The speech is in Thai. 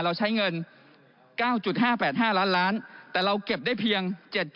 เราใช้เงิน๙๕๘๕ล้านล้านแต่เราเก็บได้เพียง